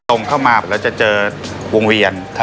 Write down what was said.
ตรงเข้ามาแล้วจะเจอวงเวียน